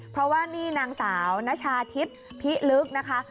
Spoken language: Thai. เพราะว่านี่นางสาวณชาธิพิฤทธิ์นะคะ